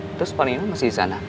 terus panino masih disana